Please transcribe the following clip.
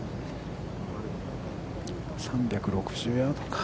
３６０ヤードか。